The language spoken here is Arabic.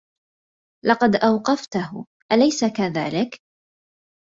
لقد أوقفته، أليس كذلك؟